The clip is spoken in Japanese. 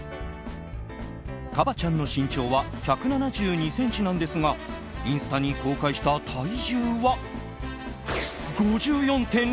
ＫＡＢＡ．ちゃんの身長は１７２ｃｍなんですがインスタに公開した体重は５４．２ｋｇ。